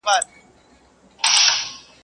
په هغه ورځ یې مرګی ورسره مل وي.